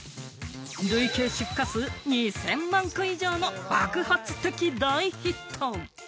累計出荷数２０００万個以上の爆発的大ヒット。